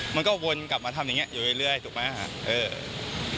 มันก็วนกลับมาทำอย่างเงี้ยอยู่เรื่อยสุดมั้ยฮะ